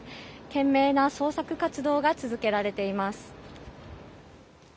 懸命な捜索活動が続けられています。